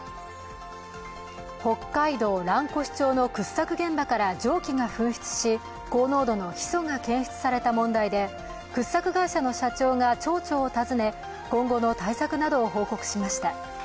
北海道蘭越町の掘削現場から蒸気が噴出し高濃度のヒ素が検出された問題で、掘削会社の社長が町長を訪ね、今後の対策などを報告しました。